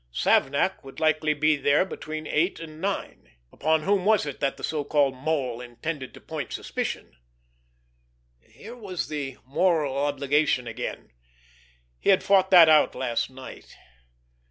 Savnak would likely be there then between eight and nine.... Upon whom was it that the so called Mole intended to point suspicion?... Here was the moral obligation again.... He had fought that out last night....